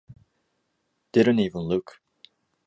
Didn’t even look.